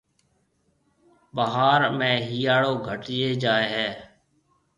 ڀاھار ۾ ھيَََاݪو گھٽجيَ جائيَ ھيََََ